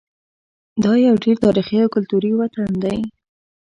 دا یو ډېر تاریخي او کلتوري وطن دی.